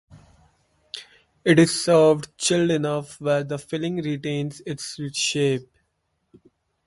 It is served chilled enough where the filling retains its shape.